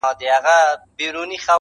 ما یې پر ګودر ټوټې لیدلي د بنګړیو؛